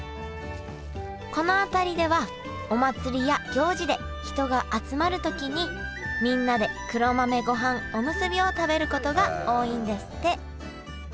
この辺りではお祭りや行事で人が集まる時にみんなで黒豆ごはんおむすびを食べることが多いんですって。